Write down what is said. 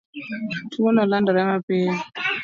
Tuwono landore mapiyo.